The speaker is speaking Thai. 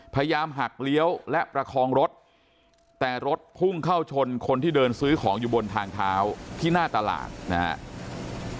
พยายามหักเลี้ยวและประคองรถแต่รถพุ่งเข้าชนคนที่เดินซื้อของอยู่บนทางเท้าที่หน้าตลาดนะครับ